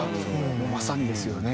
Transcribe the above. まさにですよね。